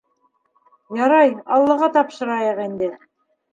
Ярай, аллаға тапшырайыҡ иңде.